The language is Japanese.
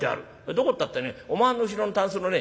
「どこったってねおまんの後ろのたんすのね